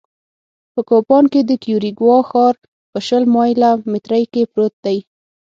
په کوپان کې د کیوریګوا ښار په شل مایله مترۍ کې پروت دی